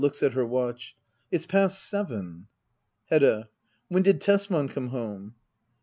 [Looks at her watch,] It's past seven. Hedda. When did Tesman come home